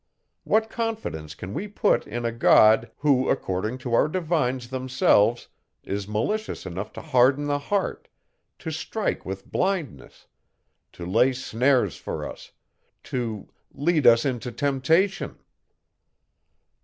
What confidence can we put in a God, who, according to our divines themselves, is malicious enough to harden the heart, to strike with blindness, to lay snares for us, to _lead us into temptation?